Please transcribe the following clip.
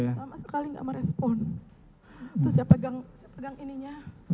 lama sekali gak merespon terus saya pegang ininya